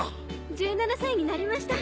１７歳になりました